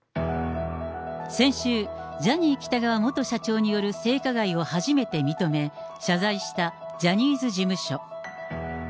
先週、ジャニー喜多川元社長による性加害を初めて認め、謝罪したジャニーズ事務所。